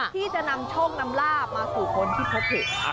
ที่จะนำโชคนำลาบมาสู่คนที่พบเห็น